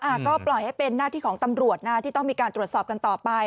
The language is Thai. ก็ปล่อยให้เป็นหน้าที่ของตำรวจนะที่ต้องมีการตรวจสอบกันต่อไป